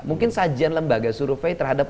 mungkin sajian lembaga survei terhadap